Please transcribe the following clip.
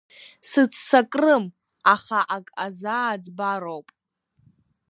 Сыццакрым, аха ак азааӡбароуп.